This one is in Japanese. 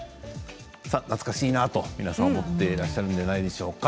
懐かしいなと皆さん思ってらっしゃるんじゃないでしょうか。